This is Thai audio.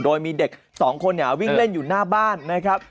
โดยมีเด็ก๒คนวิ่งเล่นอยู่หน้าบ้านนะครับ